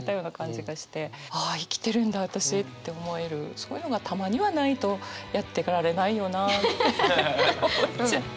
そういうのがたまにはないとやってかれないよな思っちゃう。